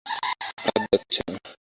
হাত যাচ্ছে না।